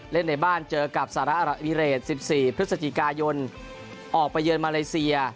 เล่นในบ้านเจอกับสหรัฐอระวิเศษ๑๔พฤศจิกายนออกไปเยือนมาเลเซีย